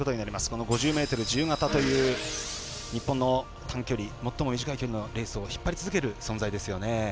この５０ｍ自由形という日本の短距離最も短い距離のレースを引っ張り続ける存在ですよね。